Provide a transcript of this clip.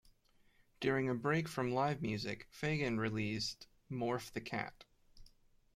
During a break from live music, Fagen released "Morph the Cat".